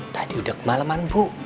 tadi udah kemaleman